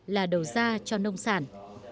là đầu ra cho nông sản